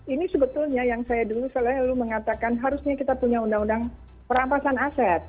ini sebetulnya yang saya dulu selalu mengatakan harusnya kita punya undang undang perampasan aset